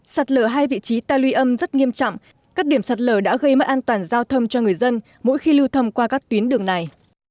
sạt lở hai vị trí ta luy âm rất nghiêm trọng các điểm sạt lở đã gây mất an toàn giao thông cho người dân mỗi khi lưu thông qua các tuyến đường này